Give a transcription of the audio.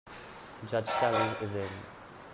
Judge Tully is in.